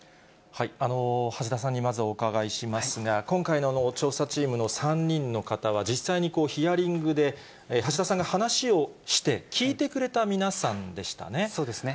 橋田さんにまずお伺いしますが、今回の調査チームの３人の方は、実際にヒアリングで橋田さんが話をして、そうですね。